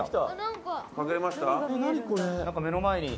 なんか目の前に。